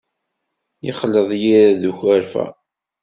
Yexleḍ yired d ukerfa.